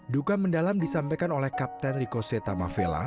duka mendalam disampaikan oleh kapten riko setama vela